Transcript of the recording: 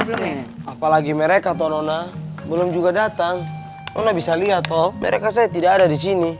belum ya apalagi mereka tona belum juga datang bisa lihat toh mereka saya tidak ada di sini